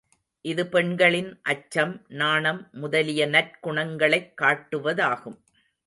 இது பெண்களின் அச்சம், நாணம் முதலிய நற்குணங்களைக் காட்டுவதாகும்.